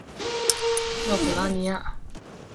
勒普拉尼亚。